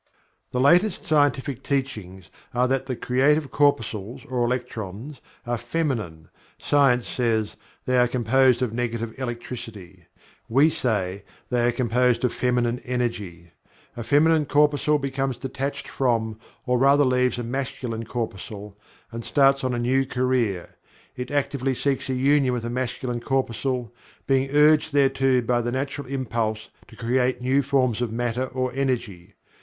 The latest scientific teachings are that the creative corpuscles or electrons are Feminine (science says "they are composed of negative electricity" we say they are composed of Feminine energy). A Feminine corpuscle becomes detached from, or rather leaves, a Masculine corpuscle, and starts on a new career. It actively seeks a union with a Masculine corpuscle, being urged thereto by the natural impulse to create new forms of Matter or Energy.